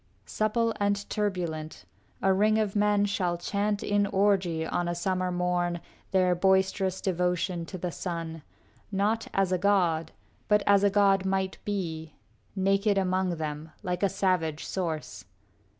VII Supple and turbulent, a ring of men Shall chant in orgy on a summer morn Their boisterous devotion to the sun, Not as a god, but as a god might be, Naked among them, like a savage source.